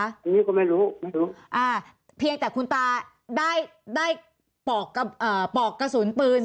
อันนี้ก็ไม่รู้ไม่รู้อ่าเพียงแต่คุณตาได้ได้ปอกกระสุนปืน